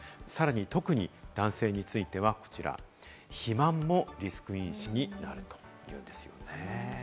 さらに特に男性については、こちら、肥満もリスク因子になるというんですよね？